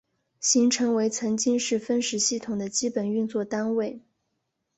行程为曾经是分时系统的基本运作单位。